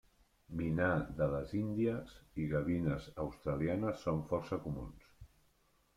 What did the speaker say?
Minà de les índies i gavines australianes són força comuns.